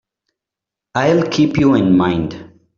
I'll keep you in mind.